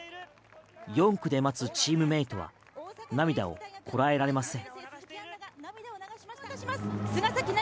４区で待つチームメイトは涙をこらえられません。